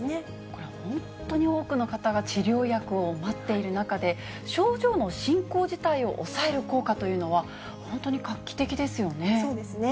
これ、本当に多くの方が治療薬を待っている中で、症状の進行自体を抑える効果というのは、本当に画期的ですよね。